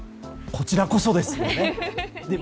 こちらこそですよね。